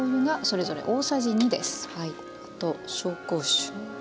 あと紹興酒。